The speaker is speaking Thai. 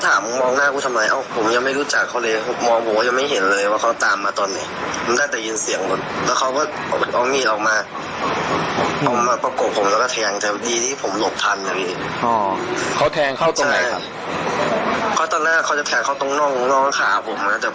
แต่ผมสระดุภูมิในจำว่าตรงนี้ปกติแผ่นไปด้วยโทบขาครับ